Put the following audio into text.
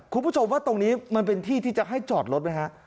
คุณผู้ชมว่าตรงนี้มันเป็นที่ที่จะให้จอดรถไหมฮะ